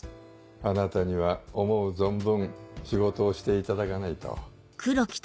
あなたには思う存分仕事をしていただかないと。